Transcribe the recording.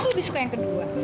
aku lebih suka yang kedua